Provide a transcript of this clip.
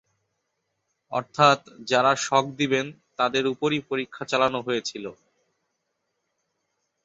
অর্থাৎ যারা শক দিবেন তাদের উপরই পরীক্ষা চালানো হয়েছিল।